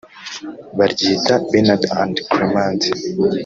baryita Bernard and Clement